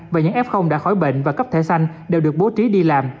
và những f đã khỏi bệnh và cấp thẻ xanh đều được bố trí đi làm